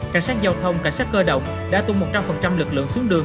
cảnh sát giao thông cảnh sát cơ động đã tung một trăm linh lực lượng xuống đường